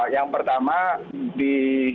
yang pertama di